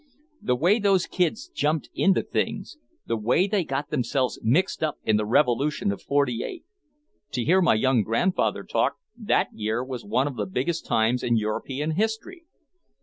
The way those kids jumped into things! The way they got themselves mixed up in the Revolution of Forty Eight! To hear my young grandfather talk, that year was one of the biggest times in European history.